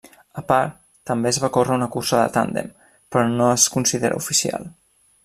A part, també es va córrer una cursa de tàndem però no es considera oficial.